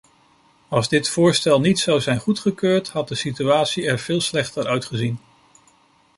Als dit voorstel niet zou zijn goedgekeurd, had de situatie er veel slechter uitgezien.